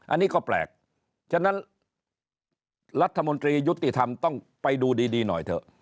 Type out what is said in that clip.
อันนี้ก็แปลกฉะนั้นรัฐมนตรียุติธรรมต้องไปดูดีหน่อยเถอะ